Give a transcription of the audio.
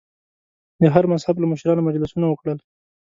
د هر مذهب له مشرانو مجلسونه وکړل.